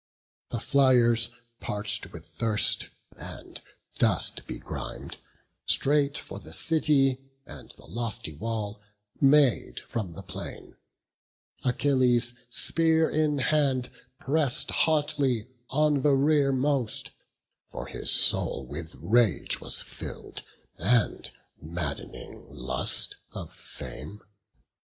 The flyers, parch'd with thirst and dust begrim'd, Straight for the city and the lofty wall Made from the plain; Achilles, spear in hand, Press'd hotly on the rearmost; for his soul With rage was fill'd, and madd'ning lust of fame.